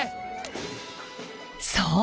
そう！